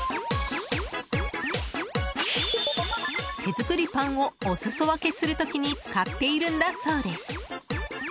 手作りパンをおすそ分けする時に使っているんだそうです。